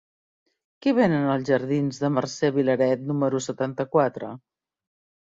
Què venen als jardins de Mercè Vilaret número setanta-quatre?